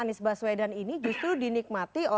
tentu tidak ada surat yang benar gue pun bisa dinejarkan